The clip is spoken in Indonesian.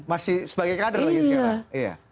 masih sebagai kader lagi sekarang